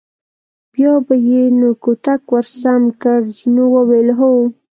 بیا به یې نو کوتک ور سم کړ، جینو وویل: هو.